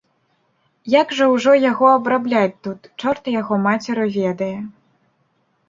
Як жа ўжо яго абрабляць тут, чорт яго мацеру ведае.